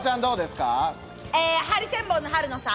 ハリセンボンの春菜さん。